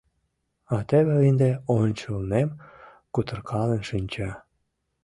А теве ынде ончылнем кутыркален шинча.